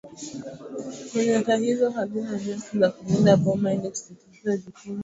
Manyatta hizo hazina nyasi za kulinda boma ili kusisitiza jukumu lao la kulinda jamii